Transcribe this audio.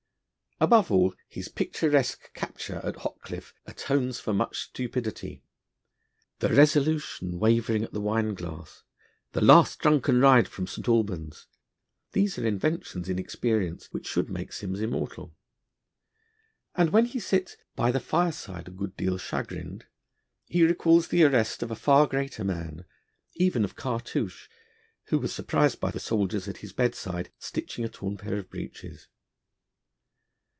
Above all, his picturesque capture at Hockcliffe atones for much stupidity. The resolution, wavering at the wine glass, the last drunken ride from St. Albans these are inventions in experience, which should make Simms immortal. And when he sits 'by the fireside a good deal chagrined,' he recalls the arrest of a far greater man even of Cartouche, who was surprised by the soldiers at his bedside stitching a torn pair of breeches.